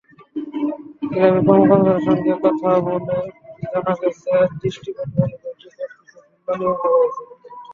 ক্লাবের কর্মকর্তাদের সঙ্গে কথা বলে জানা গেছে, দৃষ্টিপ্রতিবন্ধীদের ক্রিকেটে কিছু ভিন্ন নিয়মও রয়েছে।